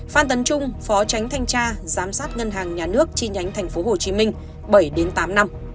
phan tấn trung phó tránh thanh tra giám sát ngân hàng nhà nước chi nhánh tp hcm bảy tám năm